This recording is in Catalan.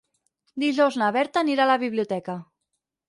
Dijous na Berta anirà a la biblioteca.